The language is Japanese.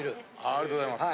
ありがとうございます。